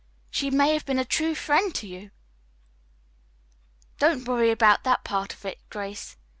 She may have been a true friend to you." "Don't worry about that part of it, Grace.